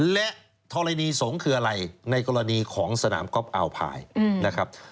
และธรณีสงฆ์คืออะไรในกรณีของสนามก๊อฟอาวพายนะครับ